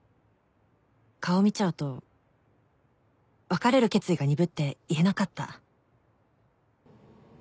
「顔見ちゃうと別れる決意が鈍って言えなかった」